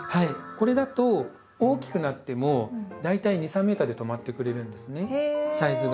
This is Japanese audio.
これだと大きくなっても大体２３ｍで止まってくれるんですねサイズが。